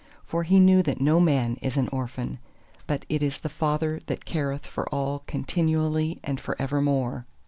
For he knew that no man is an orphan, but it is the Father that careth for all continually and for evermore.